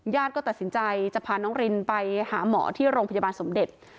ก็ตัดสินใจจะพาน้องรินไปหาหมอที่โรงพยาบาลสมเด็จ